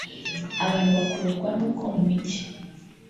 abantu bakururwa n’uko mu mijyi